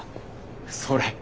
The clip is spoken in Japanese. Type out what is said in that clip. それ